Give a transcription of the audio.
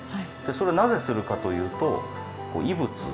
それをなぜするかというと異物。